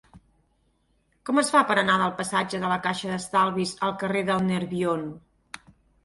Com es fa per anar del passatge de la Caixa d'Estalvis al carrer del Nerbion?